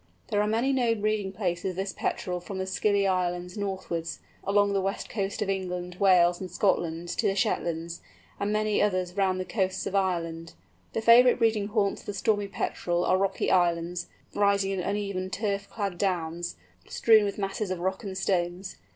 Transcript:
There are many known breeding places of this Petrel from the Scilly Islands northwards, along the west coast of England, Wales, and Scotland to the Shetlands, and many others round the coasts of Ireland. The favourite breeding haunts of the Stormy Petrel are rocky islands, rising in uneven turf clad downs, strewn with masses of rock and stones.